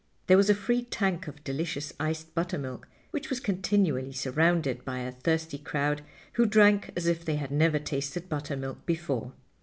There was a free tank of delicious iced buttermilk, which was continually surrounded by a thirsty crowd who drank as if they had never tasted buttermilk before.